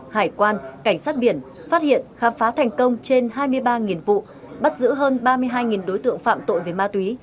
hải quan cảnh sát biển phát hiện khám phá thành công trên hai mươi ba vụ bắt giữ hơn ba mươi hai đối tượng phạm tội về ma túy